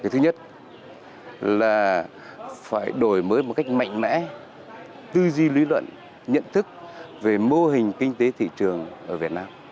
thứ nhất là phải đổi mới một cách mạnh mẽ tư duy lý luận nhận thức về mô hình kinh tế thị trường ở việt nam